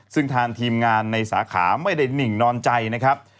ซึ่งทางทีมงานในสาขาไม่ได้นิ่งนอนใจนะครับ